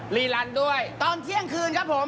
รีลันด้วยตอนเที่ยงคืนครับผม